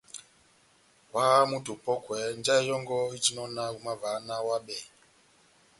Óháháha moto opɔ́kwɛ njahɛ yɔngɔ éjinɔ náh ohimavaha náh ohábɛhe.